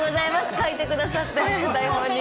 書いてくださって、台本に。